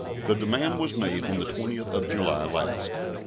The demand was made on the 20th of July last.